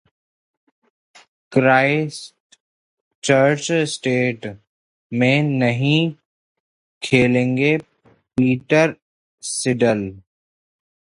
Christchurch test में नहीं खेलेंगे पीटर सिडल